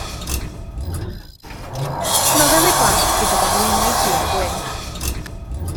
Nofel i blant gyda darluniau du-a-gwyn.